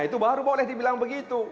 itu baru boleh dibilang begitu